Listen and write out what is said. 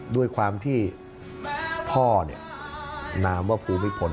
ด้วยความที่พ่อนามว่าภูมิพล